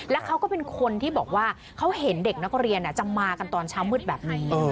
แล้วเขาก็เป็นคนที่บอกว่าเขาเห็นเด็กนักเรียนจะมากันตอนเช้ามืดแบบนี้